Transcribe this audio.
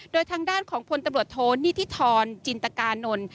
โดยทางด้านของพลตำรวจโทนิธิธรจินตกานนท์